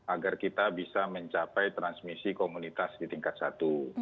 agar kita bisa mencapai transmisi komunitas di tingkat satu